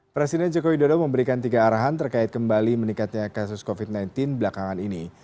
presiden jokowi dodo memberikan tiga arahan terkait kembali meningkatnya kasus covid sembilan belas belakangan ini